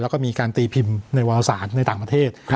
แล้วก็มีการตีพิมพ์ในวาวสารในต่างประเทศ